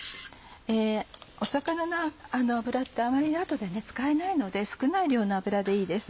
魚の油ってあまり後で使えないので少ない量の油でいいです。